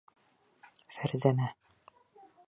Фәрзәнә